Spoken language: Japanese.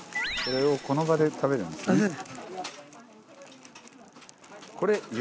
これをこの場で食べるんですよね。